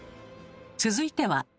続いては。